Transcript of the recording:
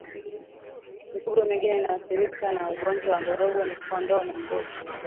Mifugo mingine inayoathirika na ugonjwa wa ndorobo ni kondoo na mbuzi